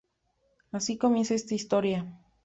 Así comienza esta historia.